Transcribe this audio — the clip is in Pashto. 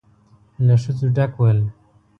له ښځو ډک ول.